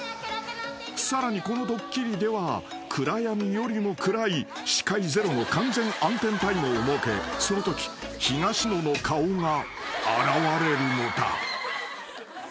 ［さらにこのドッキリでは暗闇よりも暗い視界ゼロの完全暗転タイムを設けそのとき東野の顔が現れるのだ］